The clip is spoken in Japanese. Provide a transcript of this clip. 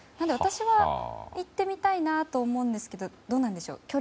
私は行ってみたいなと思うんですけどどうなんでしょう。